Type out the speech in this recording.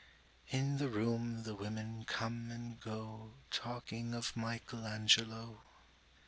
In the room the women come and go Talking of Michelangelo.